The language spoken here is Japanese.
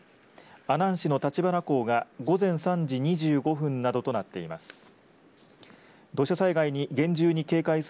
阿南市の橘港が午前３時２５分などとなっています。